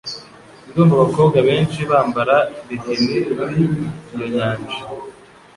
Ndumva abakobwa benshi bambara bikini kuri iyo nyanja.